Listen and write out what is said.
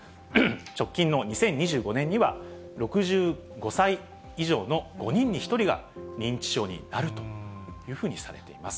直近の２０２５年には、６５歳以上の５人に１人が認知症になるというふうにされています。